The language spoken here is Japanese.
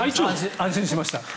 安心しました。